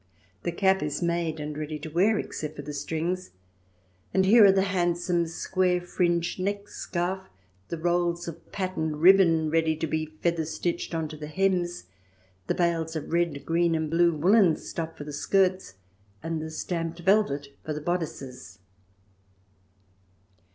The cap is made and ready to wear except for the strings ; and here are the handsome square cii. IX] CHESTS AND COSTUMES 131 fringed neck scarf, the rolls of patterned ribbon ready to be feather stitched on to the hems, the bales of red, green, and blue, woollen stuff for the skirts, and the stamped velvet for the bodices.